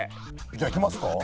じゃあいきますか？